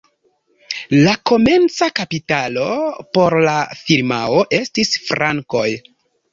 La komenca kapitalo por la firmao estis frankoj.